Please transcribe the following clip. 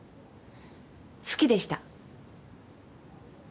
好きでした。